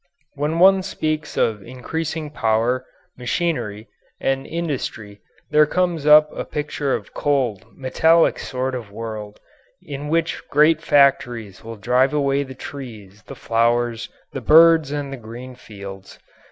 When one speaks of increasing power, machinery, and industry there comes up a picture of a cold, metallic sort of world in which great factories will drive away the trees, the flowers, the birds, and the green fields.